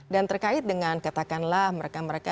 dan terkait dengan katakanlah mereka mereka